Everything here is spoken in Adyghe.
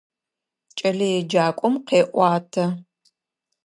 Кӏэлэеджакӏом къеӏуатэ.